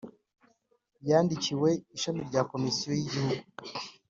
yandikiwe ishami rya Komisiyo y Igihugu